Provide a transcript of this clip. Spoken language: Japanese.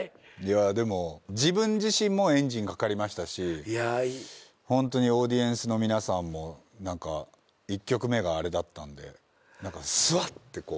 でも自分自身もエンジンかかりましたしホントにオーディエンスの皆さんも１曲目があれだったんで何かすわってこう。